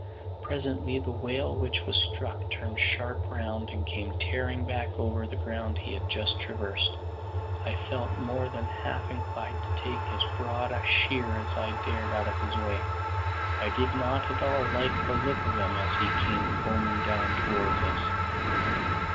Presently the whale which was struck turned sharp round, and came tearing back over the ground he had just traversed. I felt more than half inclined to take as broad a sheer as I dared out of his way; I did not at all like the look of him as he came foaming down towards us.